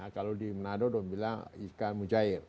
kalau di manado sudah bilang ikan mujair